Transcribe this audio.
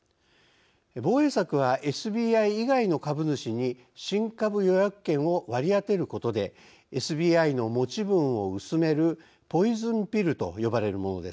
防衛策はＳＢＩ以外の株主に新株予約権を割り当てることでＳＢＩの持ち分を薄めるポイズンピルと呼ばれるものです。